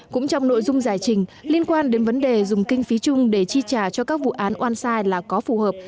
cũng trong nội dung giải trình liên quan đến vấn đề dùng kinh phí chung để chi trả cho các vụ án oan sai là có phù hợp